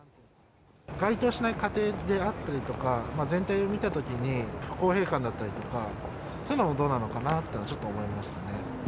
該当しない家庭であったりとか、全体を見たときに、不公平感だったりとか、そういうのはどうなのかなとはちょっと思いましたね。